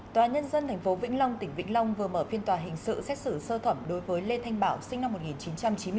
tòa nhân dân tp vĩnh long tỉnh vĩnh long vừa mở phiên tòa hình sự xét xử sơ thẩm đối với lê thanh bảo sinh năm một nghìn chín trăm chín mươi bốn